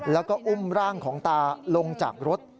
แล้วก็อุ้มร่างของตาลงจากรถ